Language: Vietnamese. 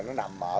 nó nằm ở